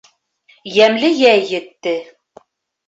Йәмле йәй етте.